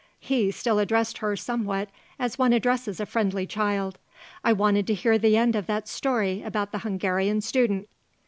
He still addressed her somewhat as one addresses a friendly child; "I wanted to hear the end of that story about the Hungarian student."